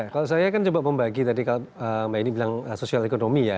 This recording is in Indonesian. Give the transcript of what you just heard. kalau saya kan coba membagi tadi mbak eni bilang sosial ekonomi ya